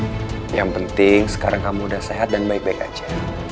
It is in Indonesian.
sama sama angelie yang penting sekarang kamu udah sehat dan baik baik aja